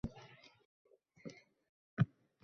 namoyishlarning boshlang‘ich nuqtasi bo‘ladi.